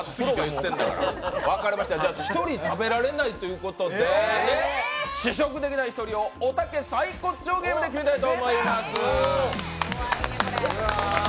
一人食べられないことで試食できない一人をおたけサイコッチョーゲームでいきたいと思います。